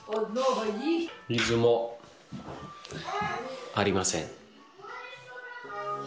水もありません。